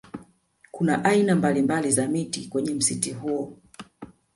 Kuna aina mbalimbali za miti kwenye msitu huo